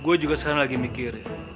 gua juga sekarang lagi mikir